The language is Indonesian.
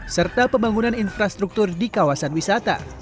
serta pembangunan infrastruktur di kawasan wisata